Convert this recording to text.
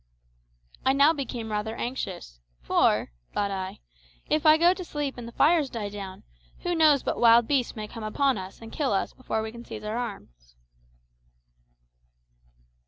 I now became rather anxious, "for," thought I, "if I go to sleep and the fires die down, who knows but wild beasts may come upon us and kill us before we can seize our arms."